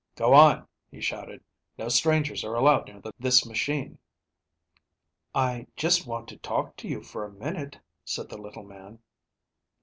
"Go on," he shouted. "No strangers are allowed near this machine." "I just want to talk to you for a minute," said the little man.